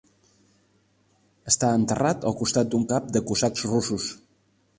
Està enterrat al costat d'un cap de cosacs russos.